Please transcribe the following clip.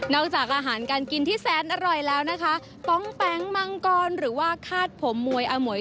จากอาหารการกินที่แสนอร่อยแล้วนะคะป้องแป๊งมังกรหรือว่าคาดผมมวยอมวย